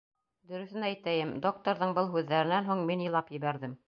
Дөрөҫөн әйтәйем, докторҙың был һүҙҙәренән һуң мин илап ебәрҙем.